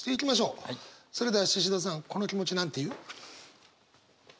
それではシシドさんこの気持ち何て言う？